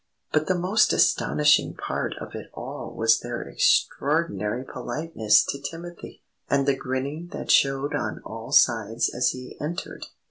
But the most astonishing part of it all was their extraordinary politeness to Timothy, and the grinning that showed on all sides as he entered.